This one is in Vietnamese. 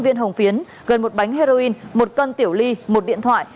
năm tám trăm linh viên hồng phiến gần một bánh heroin một cân tiểu ly một điện thoại